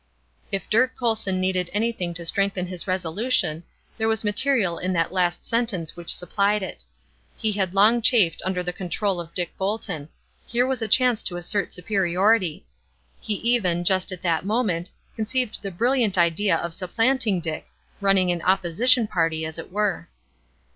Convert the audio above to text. If Dirk Colson needed anything to strengthen his resolution, there was material in that last sentence which supplied it. He had long chafed under the control of Dick Bolton; here was a chance to assert superiority. He even, just at that moment, conceived the brilliant idea of supplanting Dick running an opposition party, as it were.